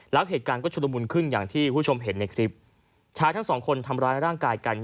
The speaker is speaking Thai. แล้วเหตุการณ์ก็ชุดละมุนขึ้นอย่างที่คุณผู้ชมเห็นในคลิปชายทั้งสองคนทำร้ายร่างกายกัน